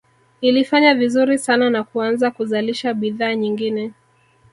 Ilifanya vizuri sana na kuanza kuzalisha bidhaa nyingine